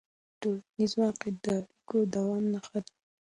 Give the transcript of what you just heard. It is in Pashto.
ټولنیز واقیعت د اړیکو د دوام نښه ده.